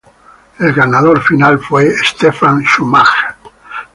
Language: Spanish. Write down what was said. El ganador final fue Stefan Schumacher.